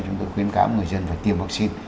chúng tôi khuyến khám người dân phải tiêm vắc xin